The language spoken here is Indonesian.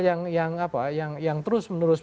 yang terus menerus